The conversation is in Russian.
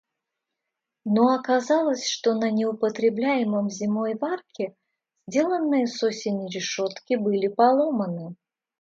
Но оказалось, что на неупотребляемом зимой варке сделанные с осени решетки были поломаны.